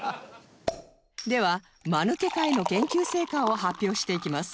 ではまぬけ会の研究成果を発表していきます